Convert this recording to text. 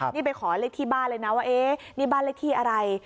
นี่ไปขอเลขที่บ้านเลยนะว่าเอ๊ะนี่บ้านเลขที่อะไร